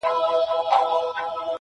• پلار دزویه حرام غواړي نه شرمېږي..